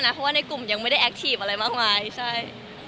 เพราะว่าในกลุ่มยังไม่ได้แอคทีฟอะไรมากมายใช่